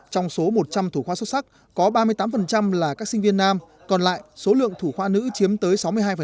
trong số một trăm linh thủ khoa xuất sắc có ba mươi tám là các sinh viên nam còn lại số lượng thủ khoa nữ chiếm tới sáu mươi hai